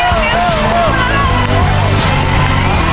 นาฬิกามันอยู่ตรงไหนของบ้านครับ